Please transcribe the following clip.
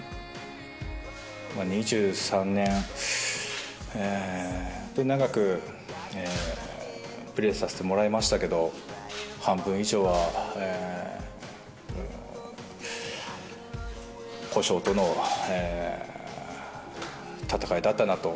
２３年、本当に長くプレーさせてもらいましたけど、半分以上は故障との闘いだったなと。